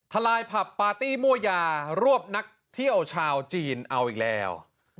ลายผับปาร์ตี้มั่วยารวบนักเที่ยวชาวจีนเอาอีกแล้ว